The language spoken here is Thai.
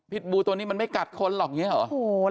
บูตัวนี้มันไม่กัดคนหรอกอย่างนี้เหรอ